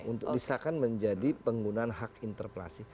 untuk disahkan menjadi penggunaan hak interpelasi